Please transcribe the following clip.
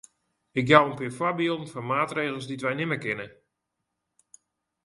Ik jou in pear foarbylden fan maatregels dy't wy nimme kinne.